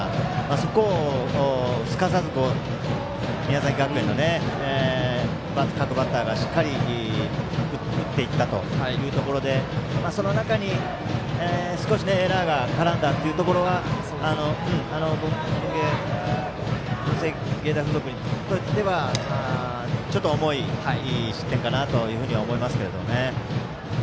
そこをすかさず宮崎学園の各バッターがしっかり打っていったというところでその中に少しエラーが絡んだところが文星芸大付属にとってはちょっと重い失点かなと思いますけど。